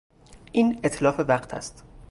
این اتلاف وقت است.